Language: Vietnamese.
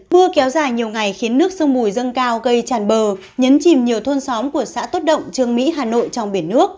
mưa kéo dài nhiều ngày khiến nước sông bùi dâng cao gây tràn bờ nhấn chìm nhiều thôn xóm của xã tốt động trường mỹ hà nội trong biển nước